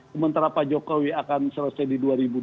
sementara pak jokowi akan selesai di